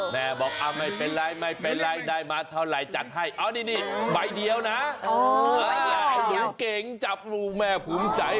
แม่บอกให้ไปจับมาซักใบไอหนู